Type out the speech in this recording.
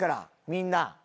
みんな。